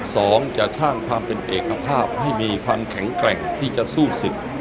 สองจะสร้างความเป็นเอกภาพให้มีความแข็งแกร่งที่จะสู้สิทธิ์